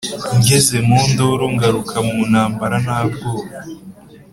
ngeze mu nduru ngaruka mu ntambara nta bwoba.